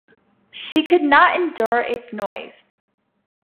She could not endure its noise.